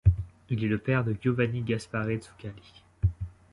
Il est le père de Giovanni Gaspare Zuccalli.